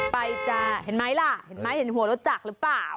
ไปจ้าเห็นไหมล่ะเห็นหัวเราจักรหรือเปล่า